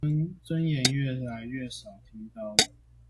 尊嚴越來越少聽到了